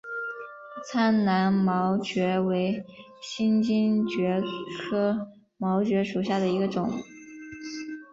苍南毛蕨为金星蕨科毛蕨属下的一个种。